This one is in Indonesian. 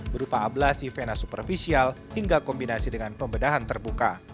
berupa ablasi vena supervisial hingga kombinasi dengan pembedahan terbuka